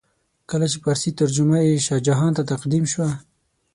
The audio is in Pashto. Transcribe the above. کله چې فارسي ترجمه یې شاه جهان ته تقدیم شوه.